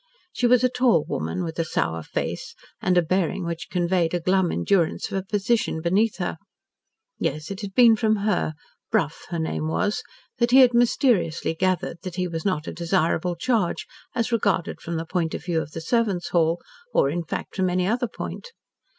She was a tall woman with a sour face and a bearing which conveyed a glum endurance of a position beneath her. Yes, it had been from her Brough her name was that he had mysteriously gathered that he was not a desirable charge, as regarded from the point of the servants' hall or, in fact, from any other point.